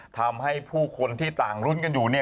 ทำให้ผู้คนที่ต่างรุ้นกันอยู่เนี่ย